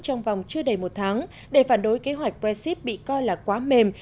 trong vòng chưa đầy một tháng để phản đối kế hoạch brexit bị coi là quá mềm